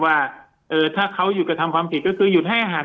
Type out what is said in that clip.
ว่าถ้าเขาหยุดกระทำความผิดก็คือหยุดให้อาหาร